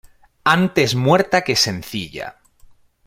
Antes muerta que sencilla